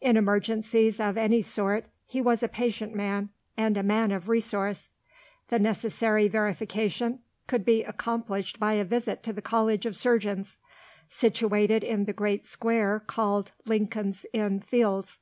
In emergencies of any sort, he was a patient man and a man of resource. The necessary verification could be accomplished by a visit to the College of Surgeons, situated in the great square called Lincoln's Inn Fields.